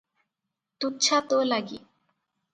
ତୁଚ୍ଛା ତୋ ଲାଗି ।"